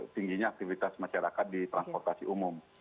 tingginya aktivitas masyarakat di transportasi umum